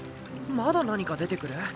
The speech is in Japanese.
まだ何か出てくる？